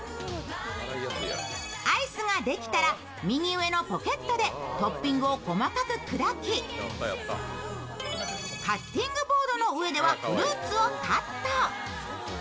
アイスができたら右上のポケットでトッピングを細かく砕きカッティングボードの上ではフルーツをカット。